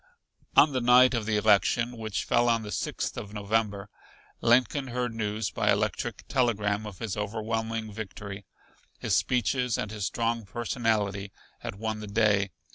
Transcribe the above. On the night of the election, which fell on the Sixth of November, Lincoln heard news by electric telegram of his overwhelming victory. His speeches and his strong personality had won the day.